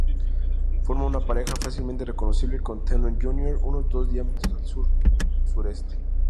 Forma una pareja fácilmente reconocible con Theon Junior, unos dos diámetros al sur-sureste.